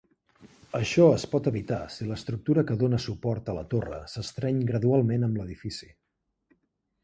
Això es pot evitar si l'estructura que dóna suport a la torre s'estreny gradualment amb l'edifici.